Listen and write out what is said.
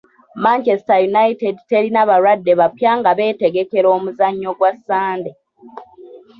Manchester United terina balwadde bapya nga beetegekera omuzannyo gwa Sande.